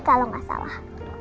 kalau gak salah